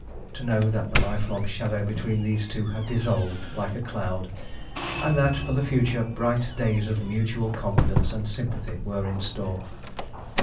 to know that the lifelong shadow between these two had dissolved like a cloud, and that, for the future, bright days of mutual confidence and sympathy were in store.